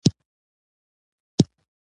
دغه تکتیک د ښکار امکانات زیات کړل.